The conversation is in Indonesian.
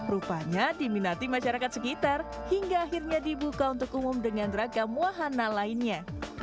rupanya diminati masyarakat sekitar hingga akhirnya dibuka untuk umum dengan ragam wahana lainnya